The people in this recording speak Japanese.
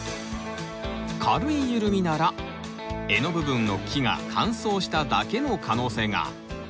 軽い緩みなら柄の部分の木が乾燥しただけの可能性が。